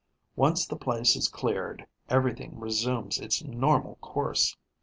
Once the place is cleared, everything resumes its normal course.